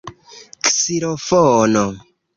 ksilofono